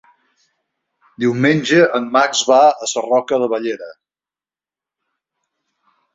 Diumenge en Max va a Sarroca de Bellera.